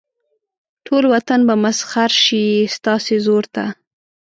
ټول وطن به مسخر شي ستاسې زور ته.